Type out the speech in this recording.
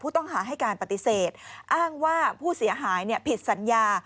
ต้องหาให้การปฏิเสธอ้างว่าผู้เสียหายผิดสัญญา